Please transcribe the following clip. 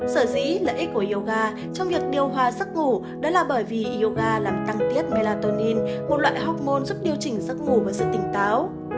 sở dĩ lợi ích của yoga trong việc điều hòa sức ngủ đó là bởi vì yoga làm tăng tiết melatonin một loại hormôn giúp điều chỉnh sức ngủ và sức tỉnh táo